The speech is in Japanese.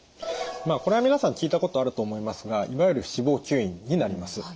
まあこれは皆さん聞いたことあると思いますがいわゆる脂肪吸引になります。